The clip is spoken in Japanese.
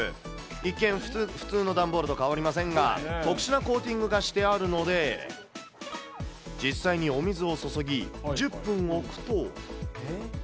一見、普通の段ボールと変わりませんが、特殊なコーティングがしてあるので、実際にお水を注ぎ、１０分置くと。